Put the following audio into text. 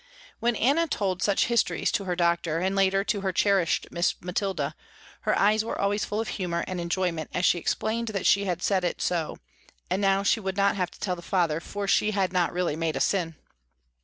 When Anna told such histories to her doctor and later to her cherished Miss Mathilda, her eyes were always full of humor and enjoyment as she explained that she had said it so, and now she would not have to tell the father for she had not really made a sin.